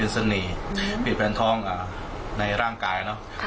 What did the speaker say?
เป็นเสน่ห์ปิดแผนท้องในร่างกายแล้ว